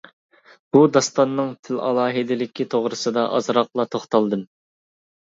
بۇ داستاننىڭ تىل ئالاھىدىلىكى توغرىسىدا ئازراقلا توختالدىم.